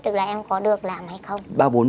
được là em có được làm hay không